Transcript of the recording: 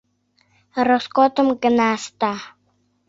— Роскотым гына ышта.